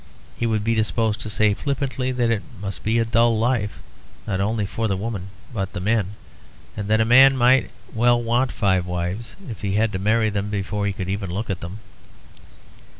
He would be disposed to say flippantly that it must be, a dull life, not only for the women but the men; and that a man might well want five wives if he had to marry them before he could even look at them.